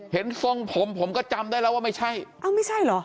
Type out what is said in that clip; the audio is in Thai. ทรงผมผมก็จำได้แล้วว่าไม่ใช่อ้าวไม่ใช่เหรอ